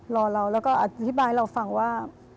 รอเราแล้วก็อธิบายให้เราฟังว่า